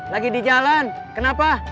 lagi di jalan kenapa